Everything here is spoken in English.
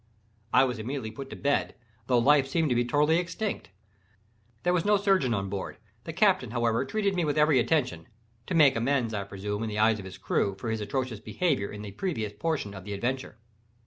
I was immediately put to bed—although life seemed to be totally extinct. There was no surgeon on board. The captain, however, treated me with every attention—to make amends, I presume, in the eyes of his crew, for his atrocious behaviour in the previous portion of the adventure.